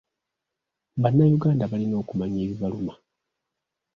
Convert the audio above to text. Bannayuganda balina okumanya ebibaluma